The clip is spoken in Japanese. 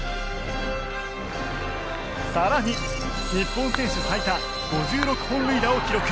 更に日本選手最多５６本塁打を記録